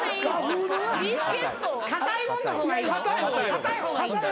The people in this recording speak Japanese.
かたいもんの方がいいの？